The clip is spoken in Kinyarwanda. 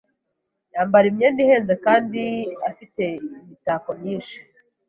Yambara imyenda ihenze kandi afite imitako myinshi.